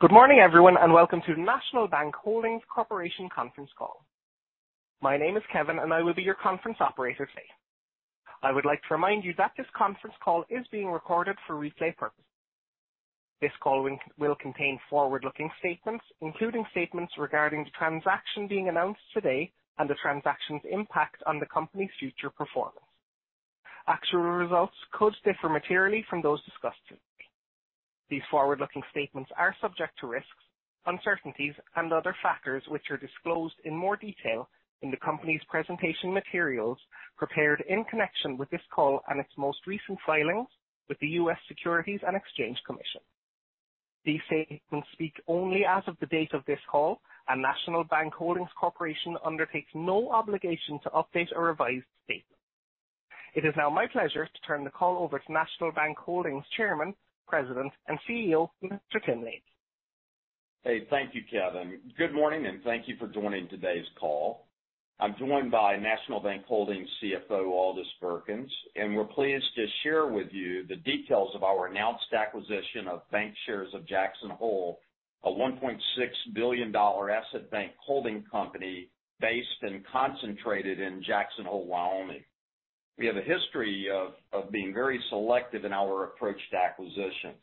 Good morning, everyone, and welcome to National Bank Holdings Corporation conference call. My name is Kevin and I will be your conference operator today. I would like to remind you that this conference call is being recorded for replay purposes. This call will contain forward-looking statements, including statements regarding the transaction being announced today and the transaction's impact on the company's future performance. Actual results could differ materially from those discussed today. These forward-looking statements are subject to risks, uncertainties, and other factors which are disclosed in more detail in the company's presentation materials prepared in connection with this call and its most recent filings with the U.S. Securities and Exchange Commission. These statements speak only as of the date of this call, and National Bank Holdings Corporation undertakes no obligation to update or revise statements. It is now my pleasure to turn the call over to National Bank Holdings Chairman, President, and CEO, Mr. Tim Laney. Hey, thank you, Kevin. Good morning, and thank you for joining today's call. I'm joined by National Bank Holdings CFO, Aldis Birkans, and we're pleased to share with you the details of our announced acquisition of Bancshares of Jackson Hole Incorporated, a $1.6 billion asset bank holding company based and concentrated in Jackson Hole, Wyoming. We have a history of being very selective in our approach to acquisitions.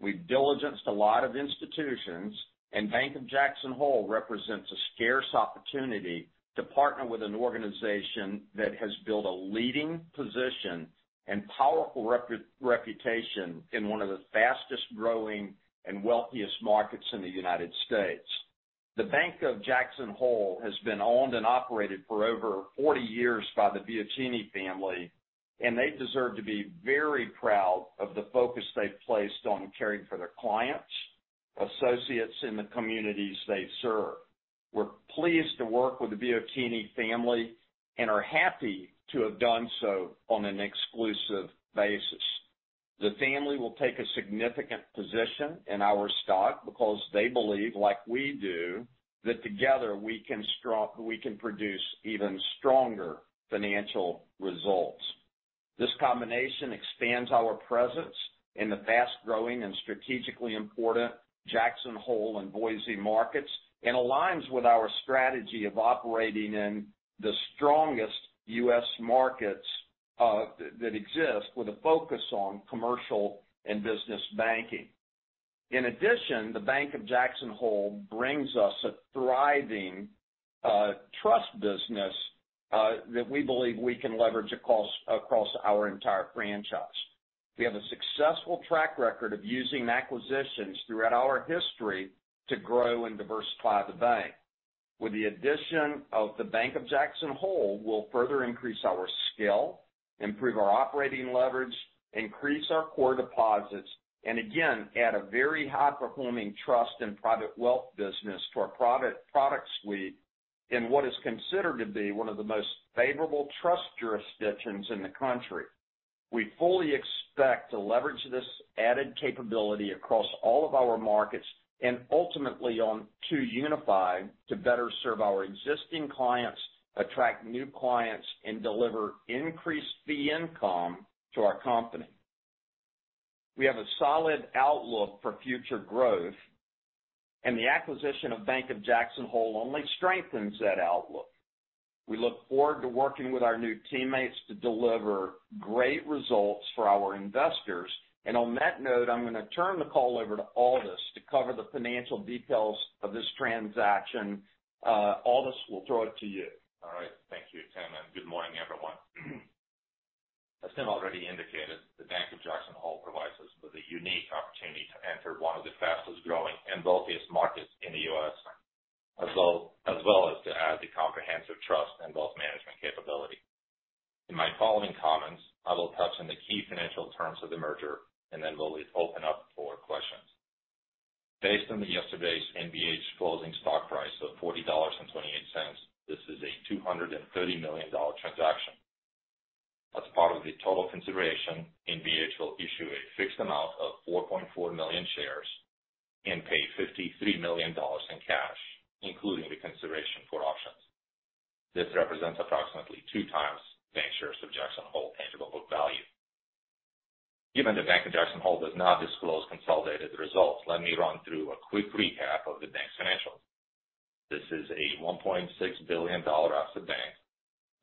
We've diligenced a lot of institutions, and Bank of Jackson Hole represents a scarce opportunity to partner with an organization that has built a leading position and powerful reputation in one of the fastest growing and wealthiest markets in the United States. The Bank of Jackson Hole has been owned and operated for over 40 years by the Biolchini family, and they deserve to be very proud of the focus they've placed on caring for their clients, associates in the communities they serve. We're pleased to work with the Biolchini family and are happy to have done so on an exclusive basis. The family will take a significant position in our stock because they believe, like we do, that together we can produce even stronger financial results. This combination expands our presence in the fast-growing and strategically important Jackson Hole and Boise markets and aligns with our strategy of operating in the strongest U.S. markets that exist with a focus on commercial and business banking. In addition, the Bank of Jackson Hole brings us a thriving trust business that we believe we can leverage across our entire franchise. We have a successful track record of using acquisitions throughout our history to grow and diversify the bank. With the addition of the Bank of Jackson Hole, we'll further increase our scale, improve our operating leverage, increase our core deposits, and again, add a very high-performing trust and private wealth business to our product suite in what is considered to be one of the most favorable trust jurisdictions in the country. We fully expect to leverage this added capability across all of our markets and ultimately onto 2UniFi to better serve our existing clients, attract new clients, and deliver increased fee income to our company. We have a solid outlook for future growth and the acquisition of Bank of Jackson Hole only strengthens that outlook. We look forward to working with our new teammates to deliver great results for our investors. On that note, I'm gonna turn the call over to Aldis to cover the financial details of this transaction. Aldis, we'll throw it to you. All right. Thank you, Tim, and good morning, everyone. As Tim already indicated, the Bank of Jackson Hole provides us with a unique opportunity to enter one of the fastest growing and wealthiest markets in the U.S., as well as to add the comprehensive trust and wealth management capability. In my following comments, I will touch on the key financial terms of the merger and then we'll open up for questions. Based on yesterday's NBHC closing stock price of $40.28, this is a $230 million transaction. As part of the total consideration, NBHC will issue a fixed amount of 4.4 million shares and pay $53 million in cash, including the consideration for options. This represents approximately 2x Bancshares of Jackson Hole Incorporated tangible book value. Given that Bank of Jackson Hole does not disclose consolidated results, let me run through a quick recap of the bank's financials. This is a $1.6 billion asset bank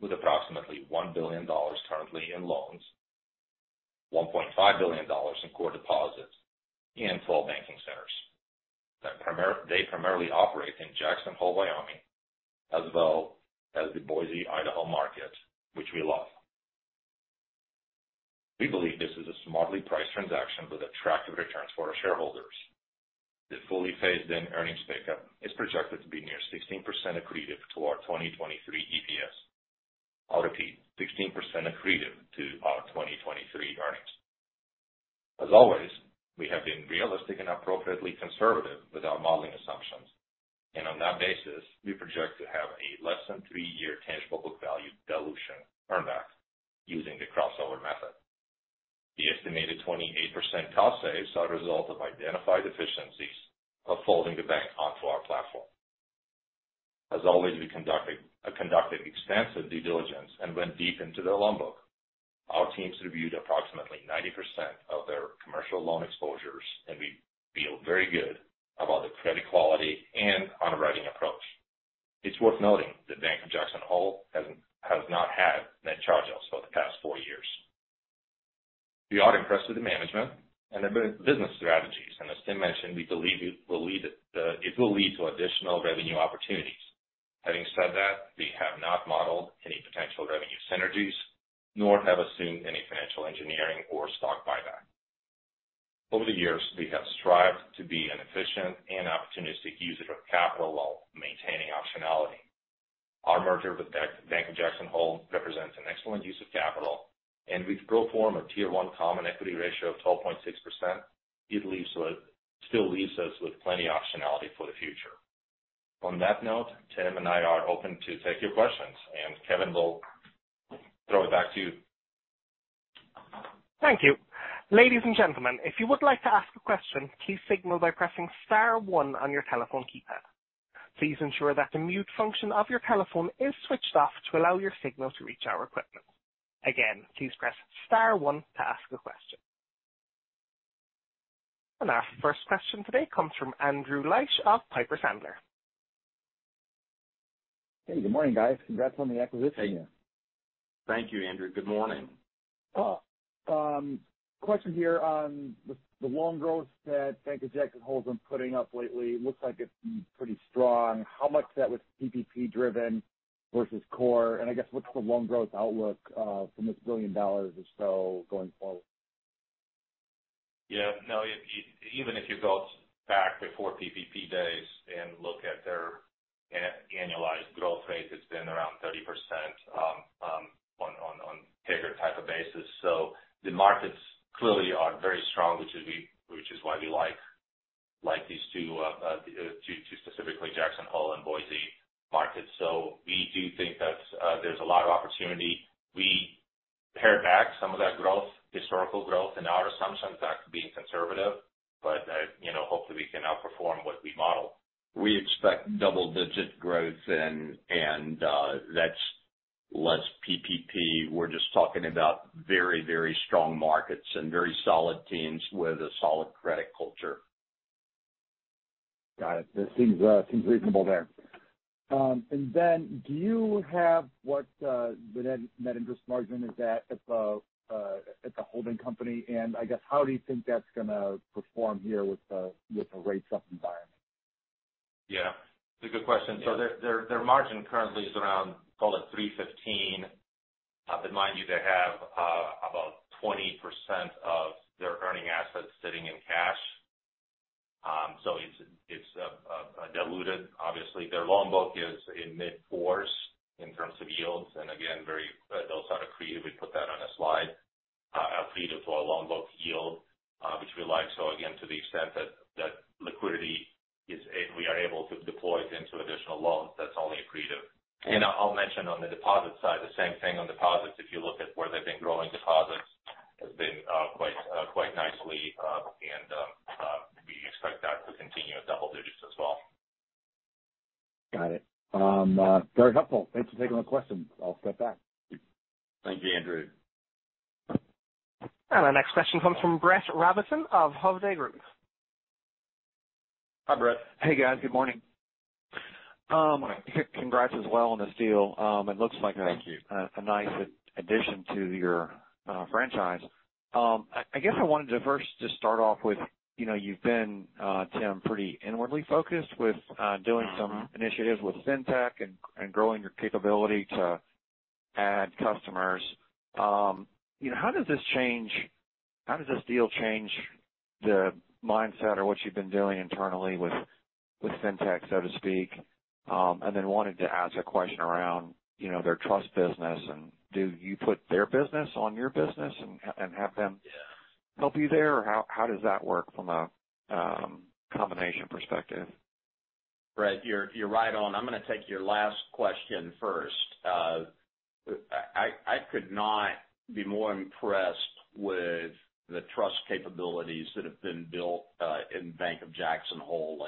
with approximately $1 billion currently in loans, $1.5 billion in core deposits, five full banking centers. They primarily operate in Jackson Hole, Wyoming, as well as the Boise, Idaho market, which we love. We believe this is a smartly priced transaction with attractive returns for our shareholders. The fully phased-in earnings pickup is projected to be near 16% accretive to our 2023 EPS. I'll repeat, 16% accretive to our 2023 earnings. As always, we have been realistic and appropriately conservative with our modeling assumptions. On that basis, we project to have a less than three-year tangible book value dilution earn-back using the crossover method. The estimated 28% cost savings is a result of identified efficiencies of folding the bank onto our platform. As always, we conducted extensive due diligence and went deep into their loan book. Our teams reviewed approximately 90% of their commercial loan exposures, and we feel very good about the credit quality and underwriting approach. It's worth noting that Bank of Jackson Hole has not had net charge-offs for the past four years. We are impressed with the management and the business strategies, and as Tim mentioned, we believe it will lead to additional revenue opportunities. Having said that, we have not modeled any potential revenue synergies nor have assumed any financial engineering or stock buyback. Over the years, we have strived to be an efficient and opportunistic user of capital while maintaining optionality. Our merger with Bank of Jackson Hole represents an excellent use of capital, and we pro forma a Tier 1 common equity ratio of 12.6%. It still leaves us with plenty of optionality for the future. On that note, Tim and I are open to take your questions, and Kevin will throw it back to you. Thank you. Ladies and gentlemen, if you would like to ask a question, please signal by pressing star one on your telephone keypad. Please ensure that the mute function of your telephone is switched off to allow your signal to reach our equipment. Again, please press star one to ask a question. Our first question today comes from Andrew Liesch of Piper Sandler. Hey, good morning, guys. Congrats on the acquisition. Thank you, Andrew. Good morning. Question here on the loan growth that Bank of Jackson Hole has been putting up lately. Looks like it's been pretty strong. How much of that was PPP driven versus core? I guess what's the loan growth outlook from this $1 billion or so going forward? Yeah. No, even if you go back before PPP days and look at their annualized growth rate, it's been around 30% on CAGR type of basis. The markets clearly are very strong, which is why we like these two specifically Jackson Hole and Boise markets. We do think that there's a lot of opportunity. We pared back some of that growth, historical growth in our assumptions, that being conservative, but you know, hopefully, we can outperform what we modeled. We expect double-digit growth and that's less PPP. We're just talking about very strong markets and very solid teams with a solid credit culture. Got it. That seems reasonable there. Do you have what the net interest margin is at the holding company? I guess how do you think that's gonna perform here with the rates up environment? Yeah, it's a good question. Yeah. Their margin currently is around, call it 3.15%. But mind you, they have about 20% of their earning assets sitting in cash. It's diluted obviously. Their loan book is in mid-fours in terms of yields. Again, very, those are accretive. We put that on a slide, accretive to our loan book yield, which we like. Again, to the extent that liquidity we are able to deploy it into additional loans, that's only accretive. I'll mention on the deposit side, the same thing on deposits. If you look at where they've been growing deposits has been quite nicely. We expect that to continue at double digits as well. Got it. Very helpful. Thanks for taking my question. I'll step back. Thank you, Andrew. Our next question comes from Brett Rabatin of Hovde Group. Hi, Brett. Hey, guys. Good morning. Congrats as well on this deal. It looks like. Thank you. A nice addition to your franchise. I guess I wanted to first just start off with, you know, you've been, Tim, pretty inwardly focused with doing some initiatives with fintech and growing your capability to add customers. You know, how does this deal change the mindset or what you've been doing internally with fintech, so to speak? Wanted to ask a question around, you know, their trust business and do you put their business on your business and have them Yeah. help you there, or how does that work from a combination perspective? Brett, you're right on. I'm gonna take your last question first. I could not be more impressed with the trust capabilities that have been built in Bank of Jackson Hole.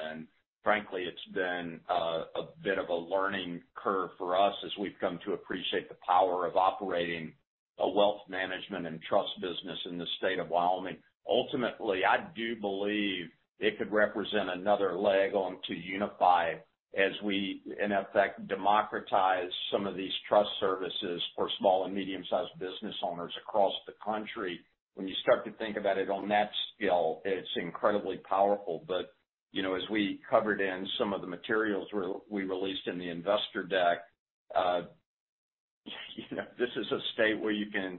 Frankly, it's been a bit of a learning curve for us as we've come to appreciate the power of operating a wealth management and trust business in the state of Wyoming. Ultimately, I do believe it could represent another leg onto 2UniFi as we, in effect, democratize some of these trust services for small and medium-sized business owners across the country. When you start to think about it on that scale, it's incredibly powerful. You know, as we covered in some of the materials we released in the investor deck, you know, this is a state where you can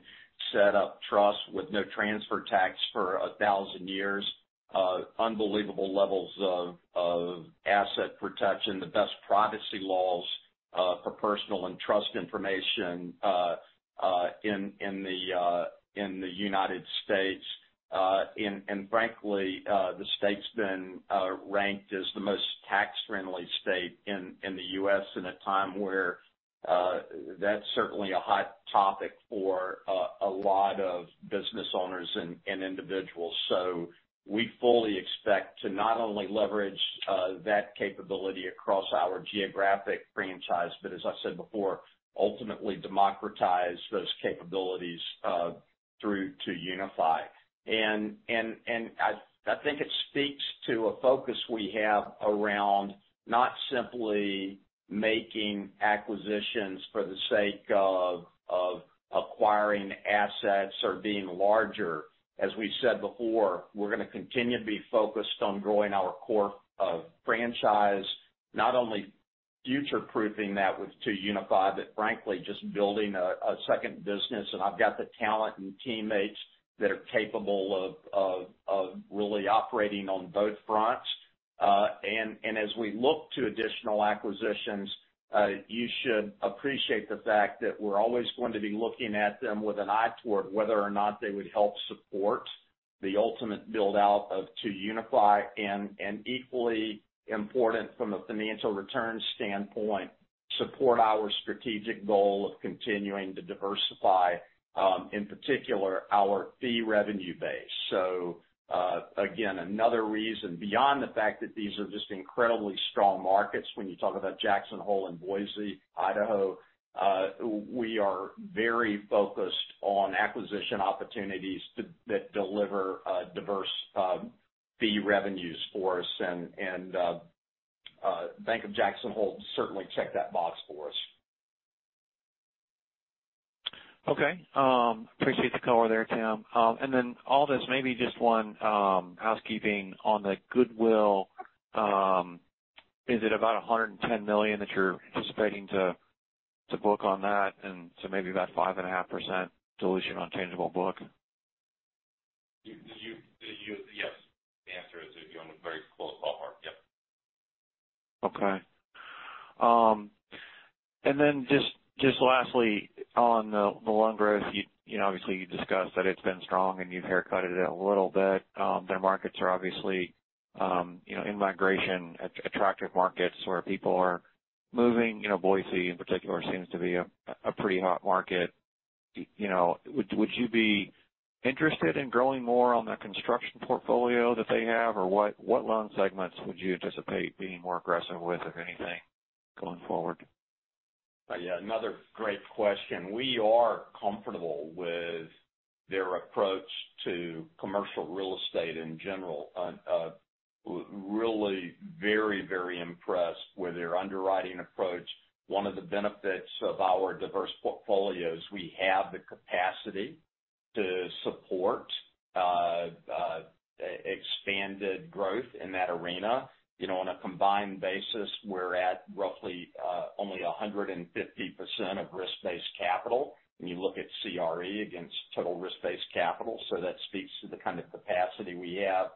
set up trusts with no transfer tax for 1,000 years. Unbelievable levels of asset protection, the best privacy laws for personal and trust information in the United States. Frankly, the state's been ranked as the most tax-friendly state in the U.S. in a time where that's certainly a hot topic for a lot of business owners and individuals. We fully expect to not only leverage that capability across our geographic franchise, but as I said before, ultimately democratize those capabilities through to 2UniFi. I think it speaks to a focus we have around not simply making acquisitions for the sake of acquiring assets or being larger. As we said before, we're gonna continue to be focused on growing our core of franchise, not only future-proofing that with 2UniFi, but frankly, just building a second business. I've got the talent and teammates that are capable of really operating on both fronts. As we look to additional acquisitions, you should appreciate the fact that we're always going to be looking at them with an eye toward whether or not they would help support the ultimate build-out of 2UniFi and equally important from a financial return standpoint, support our strategic goal of continuing to diversify, in particular, our fee revenue base. Again, another reason beyond the fact that these are just incredibly strong markets when you talk about Jackson Hole and Boise, Idaho, we are very focused on acquisition opportunities that deliver diverse fee revenues for us. Bank of Jackson Hole certainly checked that box for us. Okay. Appreciate the color there, Tim. All this, maybe just one housekeeping on the goodwill. Is it about $110 million that you're anticipating to book on that and so maybe about 5.5% dilution on tangible book? Yes. The answer is you're in a very close ballpark. Yep. Okay. Then just lastly on the loan growth, you know, obviously you discussed that it's been strong and you've haircutted it a little bit. Their markets are obviously, you know, in migration, attractive markets where people are moving. You know, Boise in particular seems to be a pretty hot market. You know, would you be interested in growing more on the construction portfolio that they have? Or what loan segments would you anticipate being more aggressive with, if anything, going forward? Yeah, another great question. We are comfortable with their approach to commercial real estate in general. Really very impressed with their underwriting approach. One of the benefits of our diverse portfolio is we have the capacity to support expanded growth in that arena. You know, on a combined basis, we're at roughly only 150% of risk-based capital when you look at CRE against total risk-based capital, so that speaks to the kind of capacity we have.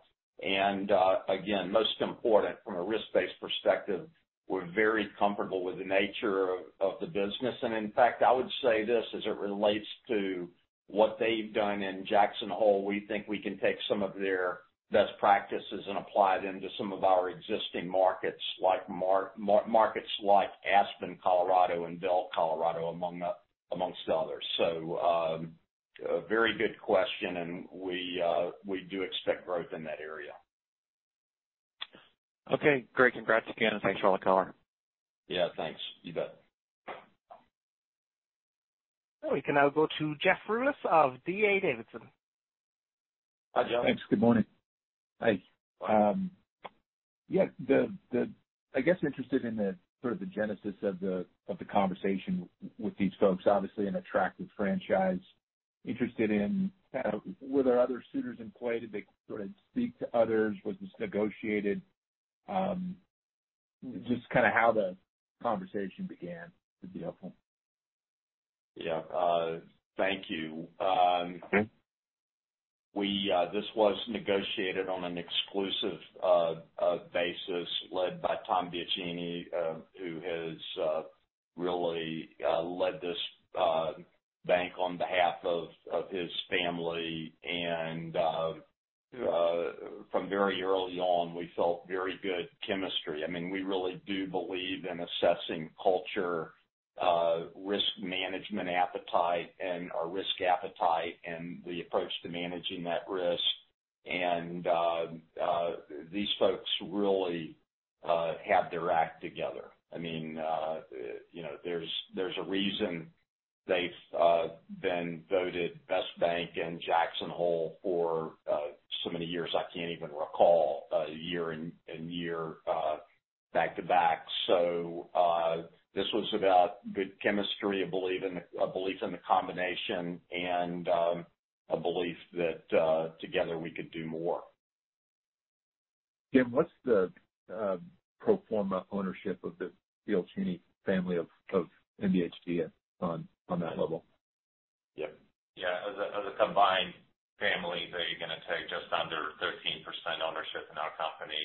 Again, most important from a risk-based perspective, we're very comfortable with the nature of the business. In fact, I would say this as it relates to what they've done in Jackson Hole. We think we can take some of their best practices and apply them to some of our existing markets, like markets like Aspen, Colorado and Vail, Colorado, amongst others. A very good question, and we do expect growth in that area. Okay, great. Congrats again. Thanks for all the color. Yeah, thanks. You bet. We can now go to Jeff Rulis of D.A. Davidson. Hi, Jeff. Thanks. Good morning. Hi. Yeah, the—I guess interested in the sort of the genesis of the conversation with these folks. Obviously an attractive franchise. Interested in kind of were there other suitors in play? Did they sort of speak to others? Was this negotiated? Just kind of how the conversation began would be helpful. Yeah. Thank you. Okay. This was negotiated on an exclusive basis led by Tom Biolchini, who has really led this bank on behalf of his family. From very early on, we felt very good chemistry. I mean, we really do believe in assessing culture, risk management appetite and our risk appetite and the approach to managing that risk. These folks really have their act together. I mean, you know, there's a reason they've been voted best bank in Jackson Hole for so many years, I can't even recall, year in and year back to back. This was about good chemistry, a belief in the combination and a belief that together we could do more. Tim, what's the pro forma ownership of the Biolchini family of NBHC on that level? As a combined family, they're gonna take just under 13% ownership in our company,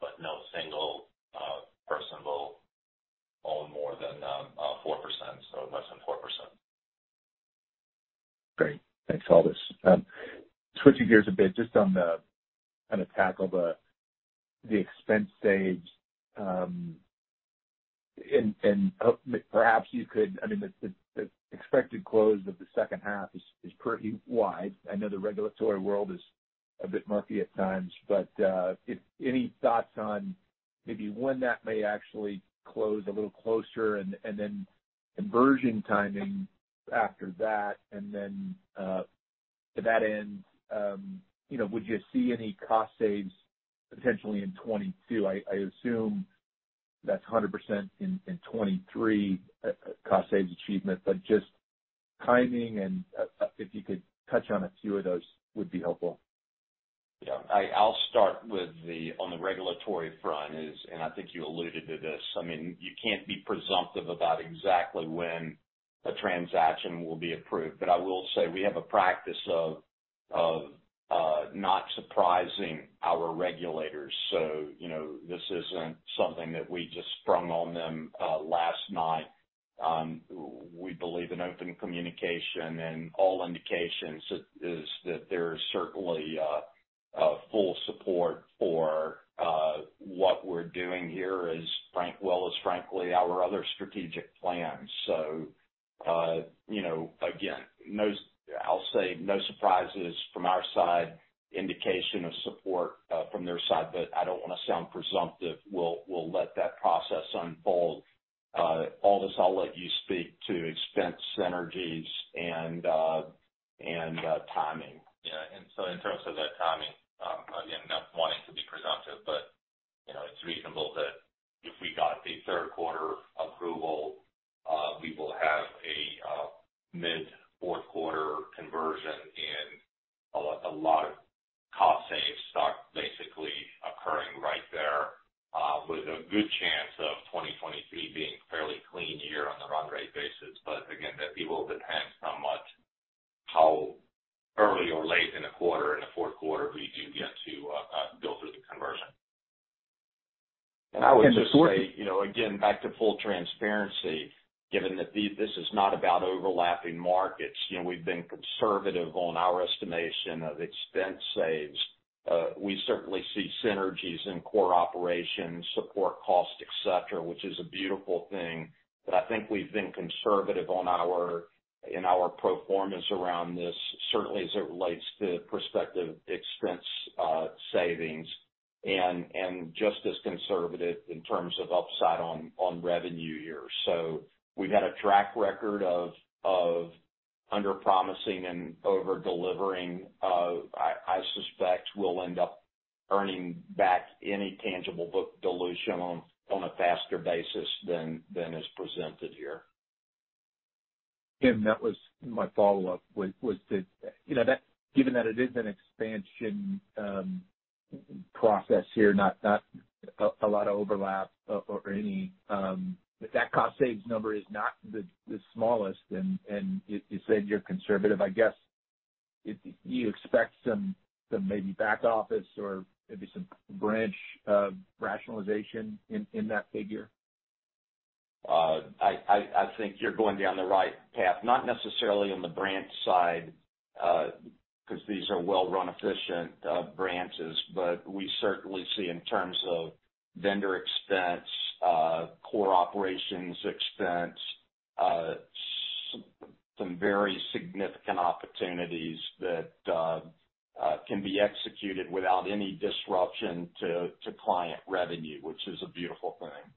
but no single person will own more than 4%, so less than 4%. Great. Thanks, Aldis. Switching gears a bit, just to tackle the expense side, and perhaps you could. I mean, the expected close of the second half is pretty wide. I know the regulatory world is a bit murky at times, but if any thoughts on maybe when that may actually close a little closer and then conversion timing after that, and then to that end, you know, would you see any cost savings potentially in 2022? I assume that's 100% in 2023 cost savings achievement, but just timing and if you could touch on a few of those would be helpful. Yeah. I'll start with the regulatory front, and I think you alluded to this. I mean, you can't be presumptive about exactly when a transaction will be approved. I will say we have a practice of not surprising our regulators. You know, this isn't something that we just sprung on them last night. We believe in open communication and all indications is that there's certainly full support for what we're doing here as well as frankly our other strategic plans. You know, again, I'll say no surprises from our side, indication of support from their side. I don't wanna sound presumptive. We'll let that process unfold. Aldis, I'll let you speak to expense synergies and timing. Yeah. In terms of that timing, again, not wanting to be presumptive, but, you know, it's reasonable that if we got a third quarter approval, we will have a mid fourth quarter conversion and a lot of cost saves start basically occurring right there, with a good chance of 2023 being a fairly clean year on a run rate basis. But again, that it will depend how much, how early or late in a quarter, in the fourth quarter we do get to go through the conversion. I would just say, you know, again, back to full transparency, given that this is not about overlapping markets. You know, we've been conservative on our estimation of expense saves. We certainly see synergies in core operations, support costs, et cetera, which is a beautiful thing. I think we've been conservative on our, in our pro formas around this, certainly as it relates to prospective expense savings, and just as conservative in terms of upside on revenue here. We've had a track record of under promising and over delivering. I suspect we'll end up earning back any tangible book dilution on a faster basis than is presented here. Tim, that was my follow-up, you know, that given that it is an expansion process here, not a lot of overlap or any, but that cost savings number is not the smallest and you said you're conservative. I guess if you expect some maybe back office or maybe some branch rationalization in that figure. I think you're going down the right path, not necessarily on the branch side, because these are well-run, efficient branches. We certainly see in terms of vendor expense, core operations expense, some very significant opportunities that can be executed without any disruption to client revenue, which is a beautiful thing.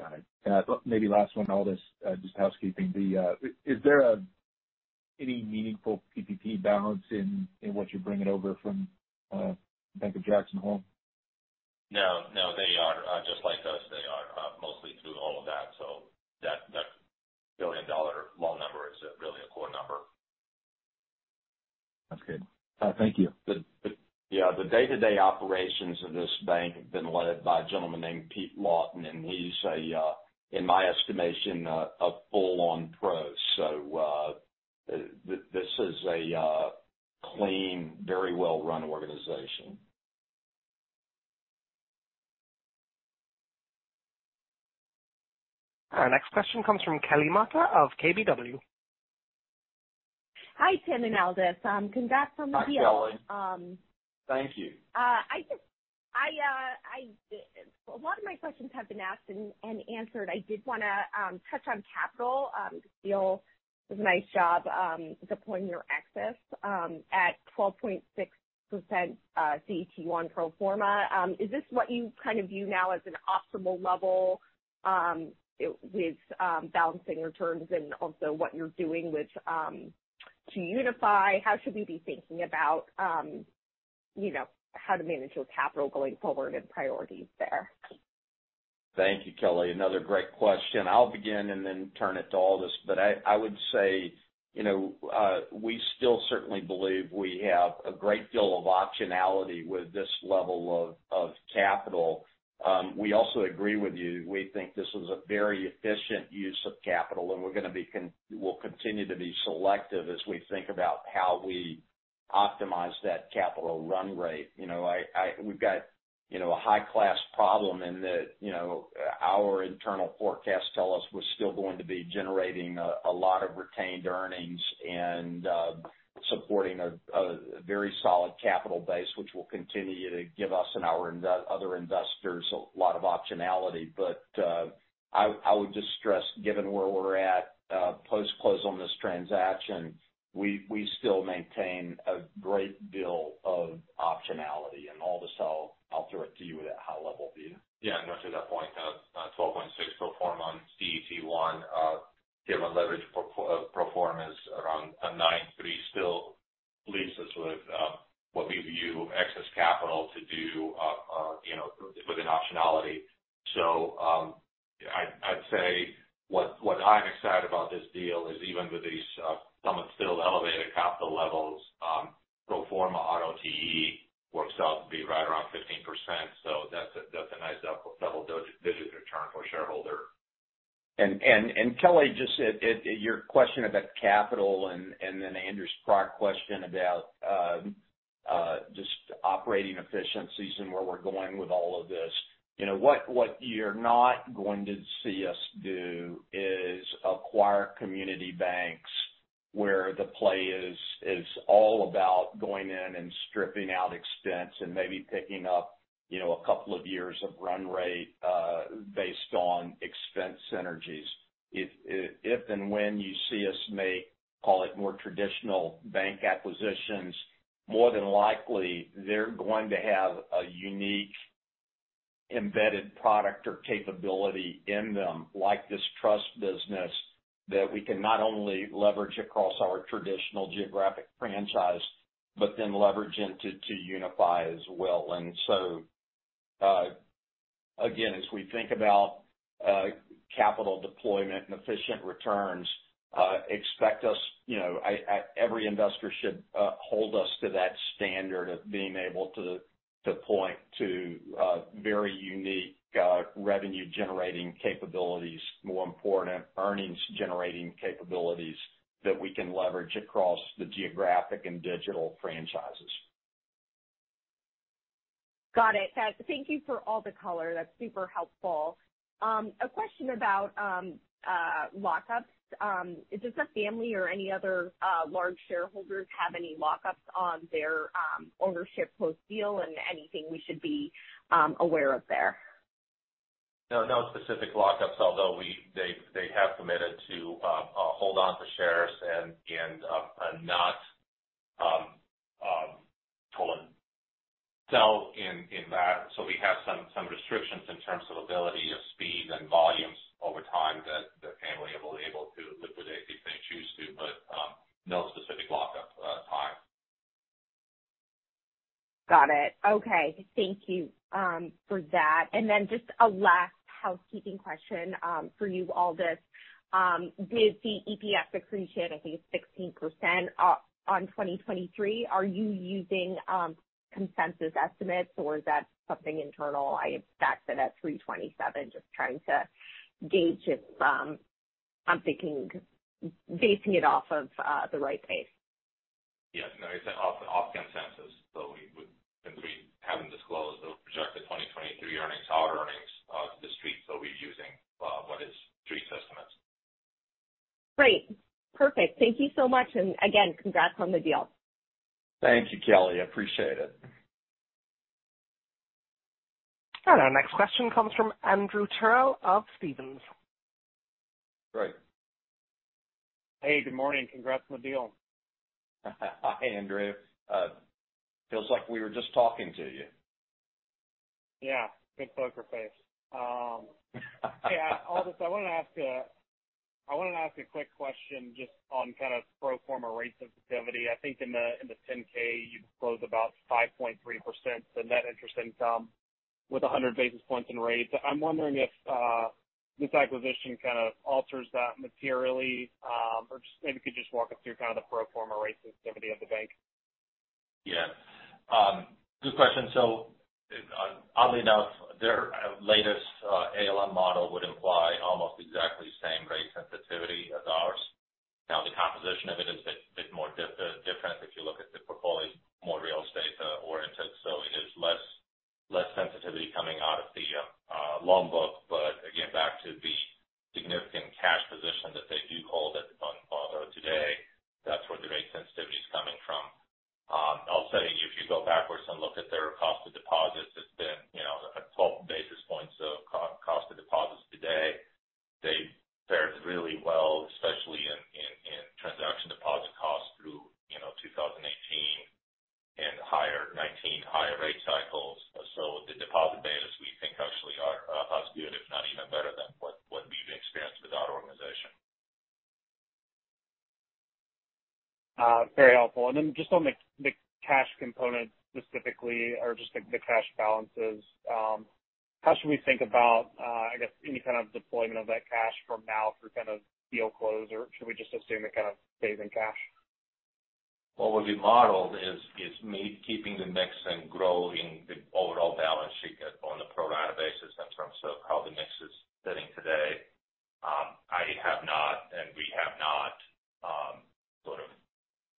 Got it. Maybe last one, Aldis, just housekeeping. Is there any meaningful PPP balance in what you're bringing over from Bank of Jackson Hole? No, they are just like us, mostly through all of that. That billion-dollar loan number is really a core number. That's good. Thank you. The day-to-day operations of this bank have been led by a gentleman named Pete Lawton, and he's, in my estimation, a full on pro. This is a clean, very well-run organization. Our next question comes from Kelly Motta of KBW. Hi, Tim and Aldis. Congrats on the deal. Hi, Kelly. Thank you. A lot of my questions have been asked and answered. I did wanna touch on capital. The deal does a nice job deploying your excess at 12.6% CET1 pro forma. Is this what you kind of view now as an optimal level with balancing returns and also what you're doing with 2UniFi? How should we be thinking about you know how to manage your capital going forward and priorities there? Thank you, Kelly. Another great question. I'll begin and then turn it to Aldis. I would say, you know, we still certainly believe we have a great deal of optionality with this level of capital. We also agree with you. We think this was a very efficient use of capital, and we'll continue to be selective as we think about how we optimize that capital run rate. You know, we've got, you know, a high-class problem in that, you know, our internal forecasts tell us we're still going to be generating a lot of retained earnings and supporting a very solid capital base, which will continue to give us and our other investors a lot of optionality. I would just stress, given where we're at, post-close on this transaction, we still maintain a great deal of optionality. Aldis, I'll throw it to you at a high level view. Yeah, no, to that point, 12.6 pro forma CET1, given leverage pro forma is around a 9.3% still leaves us with what we view excess capital to do you know with an optionality. I'd say what I'm excited about this deal is even with these somewhat still elevated capital levels, pro forma ROTCE works out to be right around 15%, so that's a nice double-digit return for shareholder. Kelly just said, your question about capital and then Andrew's prior question about just operating efficiencies and where we're going with all of this. You know, what you're not going to see us do is acquire community banks where the play is all about going in and stripping out expense and maybe picking up, you know, a couple of years of run rate based on expense synergies. If and when you see us make, call it more traditional bank acquisitions, more than likely they're going to have a unique embedded product or capability in them, like this trust business, that we can not only leverage across our traditional geographic franchise, but then leverage into 2UniFi as well. Again, as we think about capital deployment and efficient returns, expect us, you know, every investor should hold us to that standard of being able to point to very unique revenue generating capabilities, more important earnings generating capabilities that we can leverage across the geographic and digital franchises. Got it. Thank you for all the color. That's super helpful. A question about lockups. Does the family or any other large shareholders have any lockups on their ownership post-deal, and anything we should be aware of there? No specific lockups, although they have committed to hold onto shares and not to sell in that. We have some restrictions in terms of speed and volumes over time that the family will be able to liquidate these things if they choose to, but no specific lockup time. Got it. Okay. Thank you for that. Just a last housekeeping question for you, Aldis. With the EPS accretion, I think it's 16% on 2023, are you using consensus estimates or is that something internal? I have backed it at $3.27. Just trying to gauge if I'm thinking basing it off of the right base. Yeah, no, it's off consensus. Since we haven't disclosed the projected 2023 earnings, our earnings, to the Street, we're using what is Street's estimates. Great. Perfect. Thank you so much. Again, congrats on the deal. Thank you, Kelly. Appreciate it. Our next question comes from Andrew Terrell of Stephens. Great. Hey, good morning. Congrats on the deal. Hi, Andrew. Feels like we were just talking to you. Yeah. Good poker face. Yeah. Aldis, I wanted to ask a quick question just on kind of pro forma rate sensitivity. I think in the 10-K, you disclosed about 5.3% the net interest income with 100 basis points in rates. I'm wondering if this acquisition kind of alters that materially, or just maybe you could just walk us through kind of the pro forma rate sensitivity of the bank. Yeah. Good question. Oddly enough, their latest ALM model would imply almost exactly the same rate sensitivity as ours. Now, the composition of it is a bit more different if you look at the portfolio, more real estate oriented, so it is less sensitivity coming out of the loan book. Again, back to the significant cash position that they do hold at today, that's where the rate sensitivity is coming from. I'll say if you go backwards and look at their cost of deposits, it's been, you know, at 12 basis points of cost of deposits today. They've fared really well, especially in transaction deposit costs through, you know, 2018 and 2019 higher rate cycles. The deposit betas we think actually are as good, if not even better than what we've experienced with our organization. Very helpful. Just on the cash component specifically or just the cash balances, how should we think about, I guess any kind of deployment of that cash from now through kind of deal close? Or should we just assume it kind of stays in cash? What we've modeled is me keeping the mix and growing the overall balance sheet on the pro rata basis in terms of how the mix is sitting today. They have not, and we have not, sort of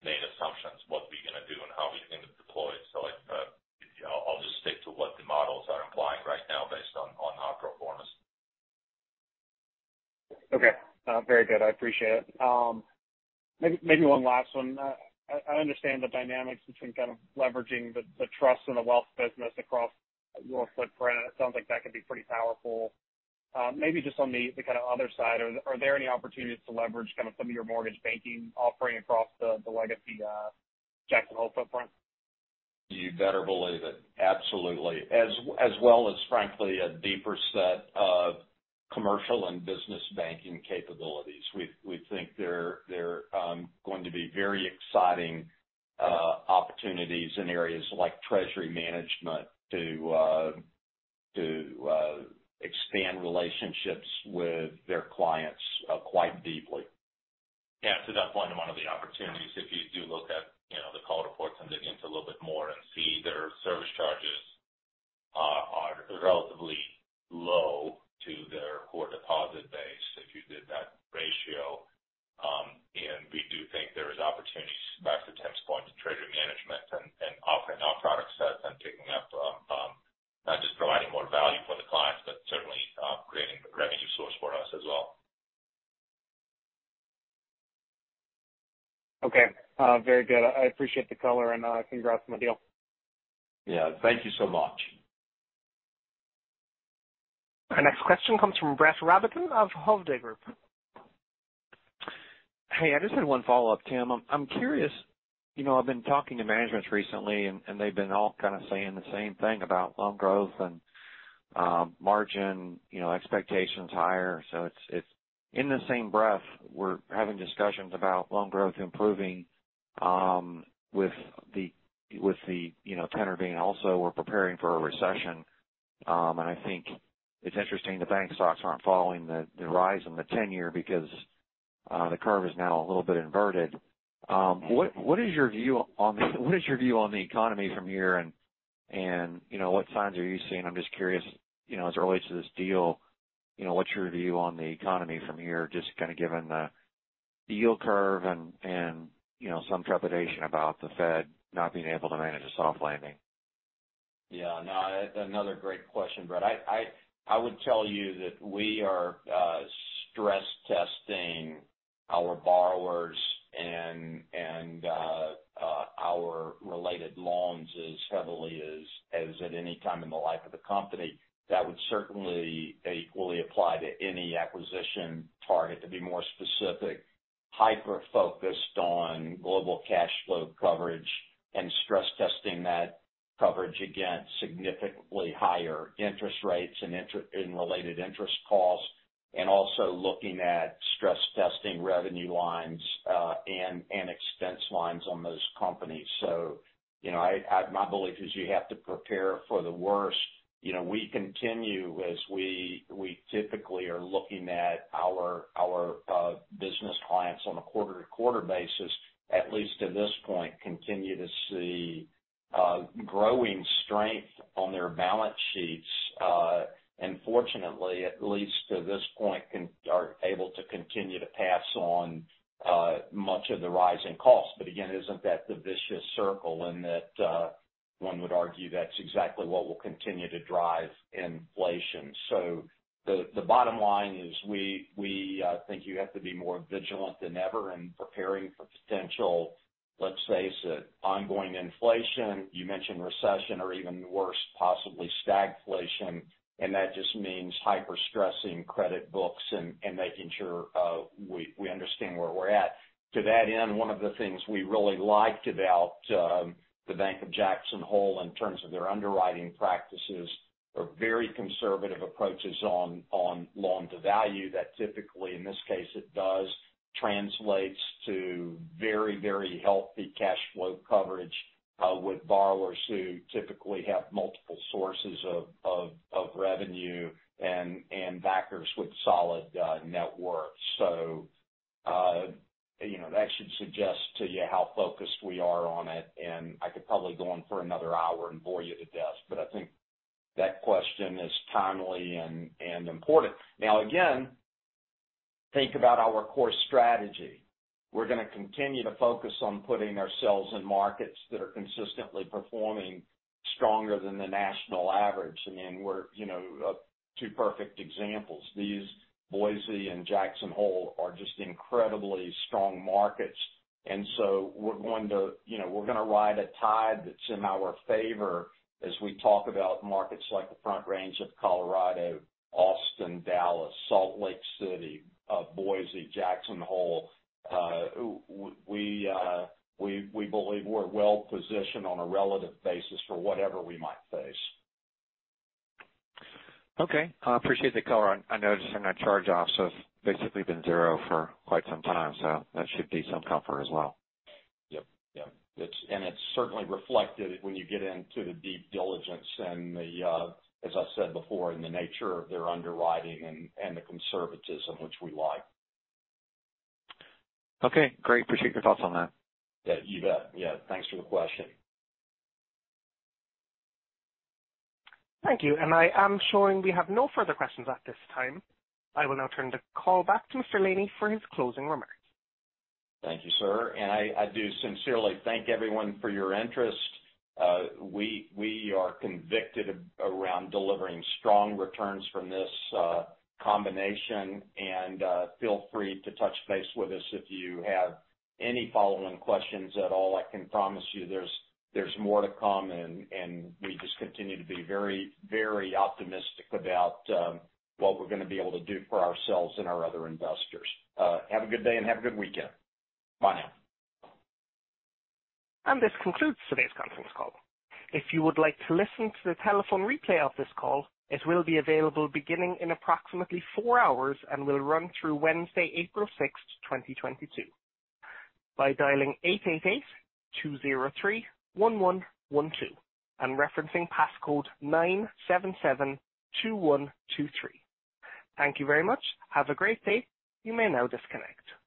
made assumptions what we're gonna do and how we're gonna deploy it. I'll just stick to what the models are implying right now based on our performance. Okay. Very good. I appreciate it. Maybe one last one. I understand the dynamics between kind of leveraging the trust and the wealth business across your footprint. It sounds like that could be pretty powerful. Maybe just on the kind of other side, are there any opportunities to leverage kind of some of your mortgage banking offering across the legacy Jackson Hole footprint? You better believe it. Absolutely. As well as frankly, a deeper set of commercial and business banking capabilities. We think they're going to be very exciting opportunities in areas like treasury management to expand relationships with their clients quite deeply. Yeah. That's one of the opportunities if you do look at, you know, the call reports and dig into a little bit more and see their service charges are relatively low to their core deposit base if you did that ratio. We do think there is opportunities back to Tim's point in treasury management and offering our product sets and picking up not just providing more value for the clients, but certainly creating revenue source for us as well. Okay. Very good. I appreciate the color and congrats on the deal. Yeah. Thank you so much. Our next question comes from Brett Rabatin of Hovde Group. Hey, I just had one follow-up, Tim. I'm curious, you know, I've been talking to managements recently and they've been all kind of saying the same thing about loan growth and margin, you know, expectations higher. It's in the same breath we're having discussions about loan growth improving with the tenor being also we're preparing for a recession. I think it's interesting the bank stocks aren't following the rise in the 10-year because the curve is now a little bit inverted. What is your view on the economy from here? You know, what signs are you seeing? I'm just curious, you know, as it relates to this deal, you know, what's your view on the economy from here, just kind of given the yield curve and, you know, some trepidation about the Fed not being able to manage a soft landing? Yeah, no, another great question, Brett. I would tell you that we are stress testing our borrowers and our related loans as heavily as at any time in the life of the company. That would certainly equally apply to any acquisition target, to be more specific, hyper-focused on global cash flow coverage and stress testing that coverage against significantly higher interest rates and inter- and related interest costs, and also looking at stress testing revenue lines and expense lines on those companies. You know, I my belief is you have to prepare for the worst. You know, we continue as we typically are looking at our business clients on a quarter-to-quarter basis, at least to this point, continue to see growing strength on their balance sheets. Fortunately, at least to this point, companies are able to continue to pass on much of the rise in costs. Again, isn't that the vicious circle in that one would argue that's exactly what will continue to drive inflation. The bottom line is we think you have to be more vigilant than ever in preparing for potential, let's face it, ongoing inflation. You mentioned recession or even worse, possibly stagflation. That just means hyper-stressing credit books and making sure we understand where we're at. To that end, one of the things we really liked about the Bank of Jackson Hole in terms of their underwriting practices are very conservative approaches on loan-to-value that typically translates to very, very healthy cash flow coverage with borrowers who typically have multiple sources of revenue and backers with solid net worth. So you know, that should suggest to you how focused we are on it, and I could probably go on for another hour and bore you to death, but I think that question is timely and important. Now again, think about our core strategy. We're gonna continue to focus on putting ourselves in markets that are consistently performing stronger than the national average. Again, we're you know two perfect examples. These Boise and Jackson Hole are just incredibly strong markets. You know, we're gonna ride a tide that's in our favor as we talk about markets like the Front Range of Colorado, Austin, Dallas, Salt Lake City, Boise, Jackson Hole. We believe we're well positioned on a relative basis for whatever we might face. Okay. I appreciate the color. I noticed that their charge-offs have basically been zero for quite some time, so that should be some comfort as well. Yep. It's certainly reflected when you get into the deep diligence and the, as I said before, in the nature of their underwriting and the conservatism which we like. Okay, great. Appreciate your thoughts on that. Yeah, you bet. Yeah, thanks for the question. Thank you. I am showing we have no further questions at this time. I will now turn the call back to Mr. Laney for his closing remarks. Thank you, sir. I do sincerely thank everyone for your interest. We are committed around delivering strong returns from this combination. Feel free to touch base with us if you have any follow-on questions at all. I can promise you there's more to come and we just continue to be very optimistic about what we're gonna be able to do for ourselves and our other investors. Have a good day and have a good weekend. Bye now. This concludes today's conference call. If you would like to listen to the telephone replay of this call, it will be available beginning in approximately four hours and will run through Wednesday, April 6, 2022, by dialing 888-203-1112 and referencing pass code 9772123. Thank you very much. Have a great day. You may now disconnect.